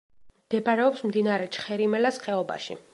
მდებარეობს მდინარე ჩხერიმელას ხეობაში.